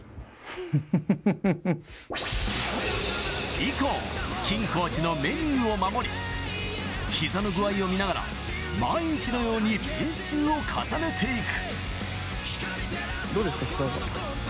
以降、金コーチのメニューを守り膝の具合を見ながら毎日のように練習を重ねていく。